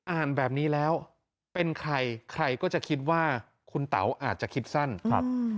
อ่านแบบนี้แล้วเป็นใครใครก็จะคิดว่าคุณเต๋าอาจจะคิดสั้นครับ